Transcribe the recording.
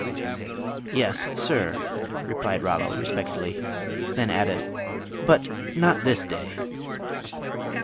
"Yes, sir," replied Rollo, respectfully, and then added, "but not this day."